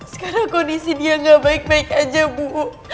sekarang kondisi dia gak baik baik aja bu